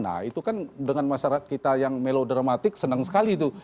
nah itu kan dengan masyarakat kita yang melodramatik senang sekali itu